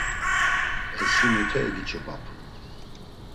E si mute egiç̌opapun?